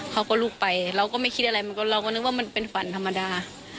เขาก็ลุกไปเราก็ไม่คิดอะไรเราก็นึกว่ามันเป็นฝันธรรมดา